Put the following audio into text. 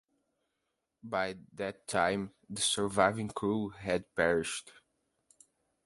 By that time, the surviving crew had perished.